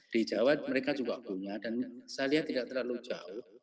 di jawa mereka juga punya dan saya lihat tidak terlalu jauh